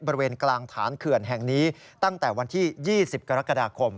บริเวณกลางฐานเขื่อนแห่งนี้ตั้งแต่วันที่๒๐กรกฎาคม